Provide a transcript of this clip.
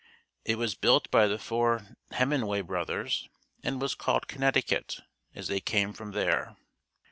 It was built by the four Hemmenway brothers and was always called "Connecticut" as they came from there.